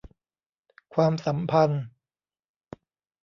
ความสัมพันธ์